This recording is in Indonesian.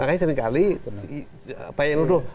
makanya seringkali apa yang luduh